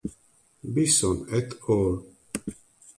Bisson et al.